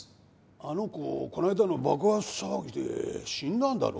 あの子この間の爆発騒ぎで死んだんだろ？